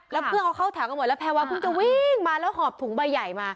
แล้วเพื่อนเขาเข้าแถวกันหมดแล้วแพรวาเพิ่งจะวิ่งมาแล้วหอบถุงใบใหญ่มา